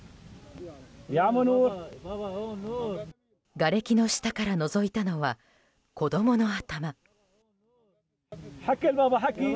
がれきの下からのぞいたのは子供の頭。